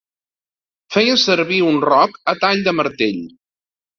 Feia servir un roc a tall de martell.